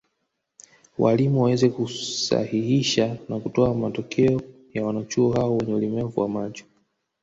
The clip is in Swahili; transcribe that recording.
Walimu waweze kusahihisha na kutoa matokeo ya wanachuo hao wenye ulemavu wa macho